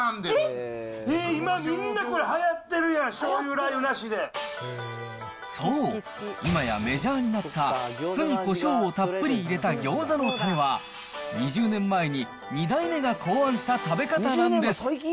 今、みんな、これはやってるやん、しょうゆ、そう、今やメジャーになった酢にこしょうをたっぷり入れたギョーザのたれは、２０年前に２代目が考案した食べ方なんです。